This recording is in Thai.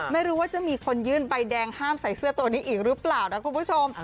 ไม่รู้ว่าจะมีคนยื่นใบแดงห้ามใส่เสื้อตัวนี้อีกหรือเปล่านะคุณผู้ชม